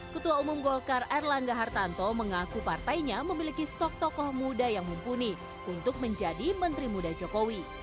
ketua umum golkar erlangga hartanto mengaku partainya memiliki stok tokoh muda yang mumpuni untuk menjadi menteri muda jokowi